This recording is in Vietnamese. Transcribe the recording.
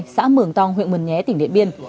xã mường tong huyện mường nhé tỉnh điện biên